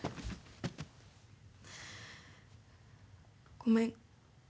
ごめん。